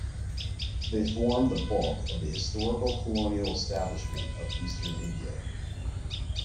They form the bulk of the historical colonial establishment of eastern India.